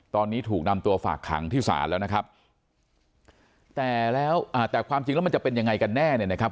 ตอนนี้ถูกนำตัวฝากขังที่ศาลแล้วนะครับแต่แล้วอ่าแต่ความจริงแล้วมันจะเป็นยังไงกันแน่เนี่ยนะครับ